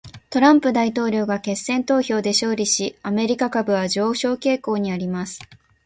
トランプ大統領が決選投票で勝利し、アメリカ株は上昇傾向にあります。